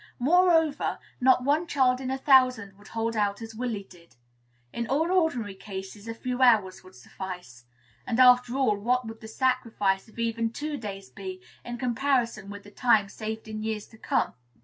Moreover, not one child in a thousand would hold out as Willy did. In all ordinary cases a few hours would suffice. And, after all, what would the sacrifice of even two days be, in comparison with the time saved in years to come?